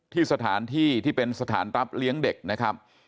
สถานที่ที่เป็นสถานรับเลี้ยงเด็กนะครับ